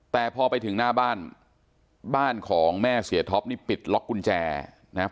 แต่พอไปถึงหน้าบ้านบ้านของแม่เสียท็อปนี่ปิดล็อกกุญแจนะครับ